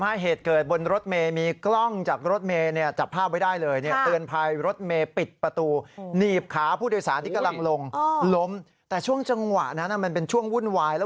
อ่าผิดที่อะไรบ้างคุณอ่าผิดที่ตั้งแต่เนี้ยเขาบอกว่า